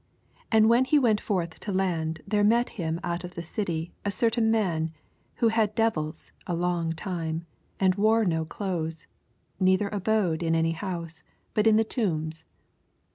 27 And when he went forth to land, there met him out of the city a cer tain man, whioh had devils long time, and ware no clothes, neither abode in any house, bat in the tombs.